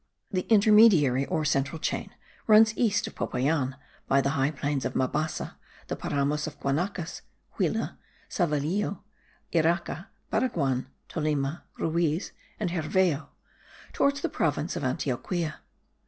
The intermediary, or central chain, runs east of Popayan, by the high plains of Mabasa, the Paramos of Guanacas, Huila, Savelillo, Iraca, Baraguan, Tolima, Ruiz and Herveo, towards the province of Antioquia.